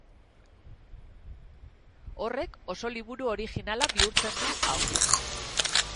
Horrek oso liburu originala bihurtzen du hau.